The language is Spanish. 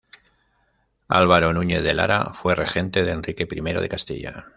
Álvaro Núñez de Lara fue regente de Enrique I de Castilla.